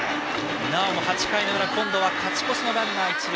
なおも８回の裏今度は勝ち越しのランナー一塁。